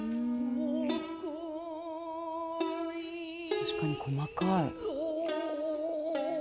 確かに細かい。